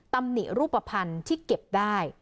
ตำหนิรูปภัณฑ์ที่เก็บได้